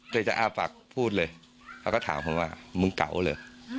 จะอ้าฝากพูดเลยแล้วก็ถามผมว่ามึงเก่าเหรอ